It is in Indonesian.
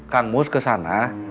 kang mus kesana